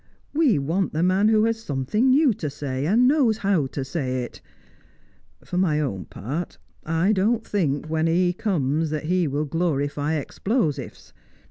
We want the man who has something new to say, and knows how to say it. For my own part, I don't think, when he comes, that he will glorify explosives.